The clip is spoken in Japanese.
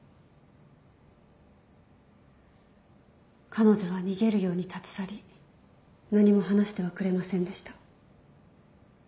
彼女は逃げるように立ち去り何も話してはくれませんでした。